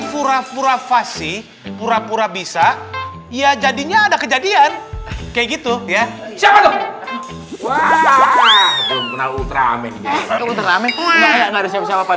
pura pura fasi pura pura bisa ia jadinya ada kejadian kayak gitu ya siapa tuh wah